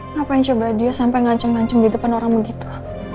ngapain coba dia sampai ngancem ngancem di depan orang begitu